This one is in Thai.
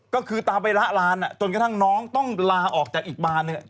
ก็คือตามไปละลานจนกระทั่งน้องต้องลาออกจากอีกบานหนึ่ง